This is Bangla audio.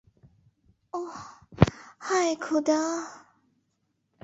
ওহ, হায় খোদা।